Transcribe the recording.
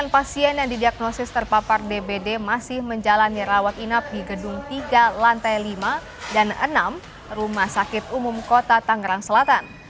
delapan pasien yang didiagnosis terpapar dbd masih menjalani rawat inap di gedung tiga lantai lima dan enam rumah sakit umum kota tangerang selatan